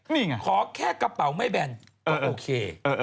นี่ไงขอแค่กระเป๋าไม่แบนก็โอเค